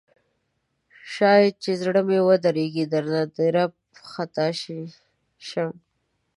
شاید چې زړه مې ودریږي درنه درب خطا شم